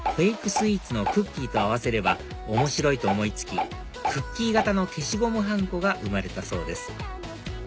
スイーツのクッキーと合わせれば面白いと思い付きクッキー形の消しゴムはんこが生まれたそうです